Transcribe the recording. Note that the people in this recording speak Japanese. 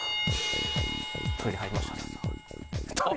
トイレ入りましたね。